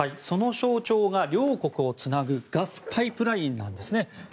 その象徴が両国をつなぐガスパイプラインなんですね。